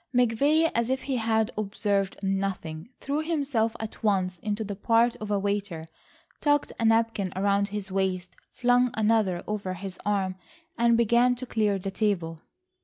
McVay, as if he had observed nothing, threw himself at once into the part of a waiter, tucked a napkin round his waist, flung another over his arm and began to clear the table.